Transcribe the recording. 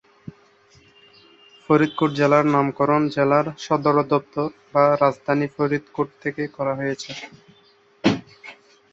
ফরিদকোট জেলার নামকরণ জেলার সদরদপ্তর বা রাজধানী ফরিদকোট থেকে করা হয়েছে।